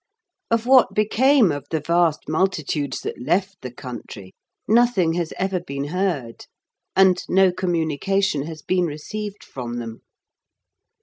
Of what became of the vast multitudes that left the country, nothing has ever been heard, and no communication has been received from them.